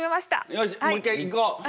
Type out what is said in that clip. よしもう一回いこう。